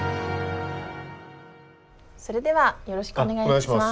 それではよろしくお願いします。